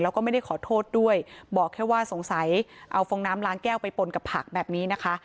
แล้วก็ไม่ได้ขอโทษด้วยบอกแค่ว่าสงสัยเอาฟองน้ำล้างแก้วไปปนกับผักแบบนี้นะคะ